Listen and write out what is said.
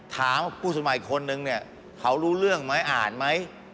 ถามว่าผู้สมัครอีกคนนึงเนี่ยเขารู้เรื่องไหมอ่านไหม